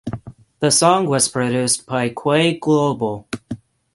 The song was produced by Quay Global.